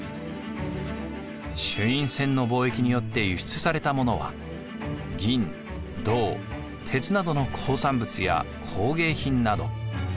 朱印船の貿易によって輸出されたものは銀・銅・鉄などの鉱産物や工芸品など。